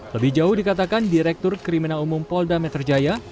lebih jauh dikatakan direktur kriminal umum polda meterjaya